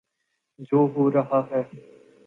جو ہو رہا ہے۔